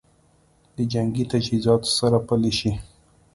د جنګي تجهیزاتو سره پلي شي